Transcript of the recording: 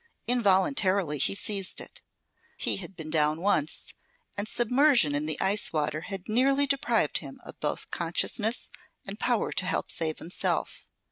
Involuntarily he seized it. He had been down once, and submersion in the ice water had nearly deprived him of both consciousness and power to help save himself.